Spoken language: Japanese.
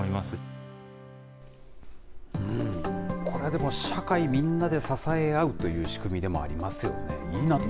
これ、でも社会みんなで支え合うという仕組みでもありますよね。